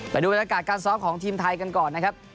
ไปดูบรรยากาศการซ้อมของทีมไทยกันก่อนนะครับ